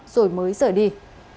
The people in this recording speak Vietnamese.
rồi mới rời đi